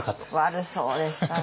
悪そうでしたね。